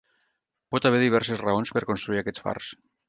Pot haver diverses raons per construir aquests fars.